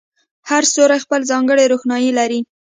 هر ستوری خپله ځانګړې روښنایي لري.